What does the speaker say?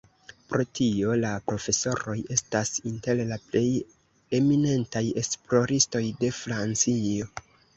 Pro tio, la profesoroj estas inter la plej eminentaj esploristoj de Francio.